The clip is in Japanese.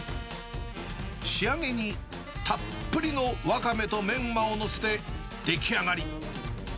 仕上げにたっぷりのワカメとメンマを載せて出来上がり。